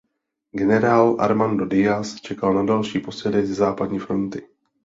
Generál Armando Diaz čekal na další posily ze západní fronty.